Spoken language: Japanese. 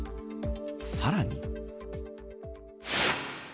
さらに。